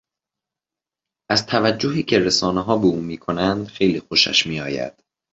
از توجهی که رسانهها به او میکنند خیلی خوشش میآید.